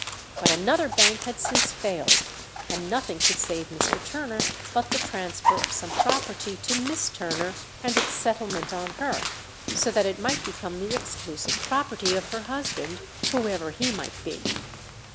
But another bank had since failed, and nothing could save Mr. Turner but the transfer of some property to Miss Turner, and its settlement on her, so that it might become the exclusive property of her husband, "whoever he might be."